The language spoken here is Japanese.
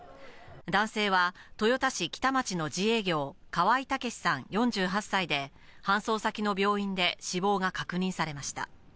男性は、豊田市喜多町の自営業、河合武さん４８歳で、搬送先の病院で死亡が確認されました。